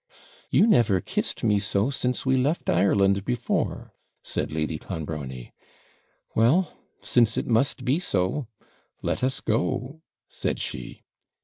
'You never kissed me so since we left Ireland before,' said Lady Clonbrony. 'Well, since it must be so, let us go,' said she.